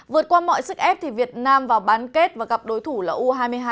vượt qua mọi sức ép thì việt nam vào bán kết và gặp đối thủ là u hai mươi hai